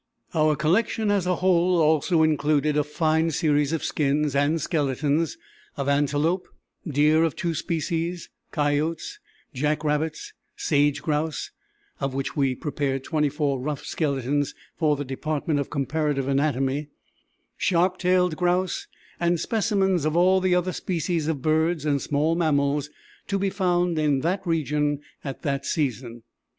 Our collection as a whole also included a fine series of skins and skeletons of antelope, deer of two species, coyotes, jack rabbits, sage grouse (of which we prepared twenty four rough skeletons for the Department of Comparative Anatomy), sharp tailed grouse, and specimens of all the other species of birds and small mammals to be found in that region at that season.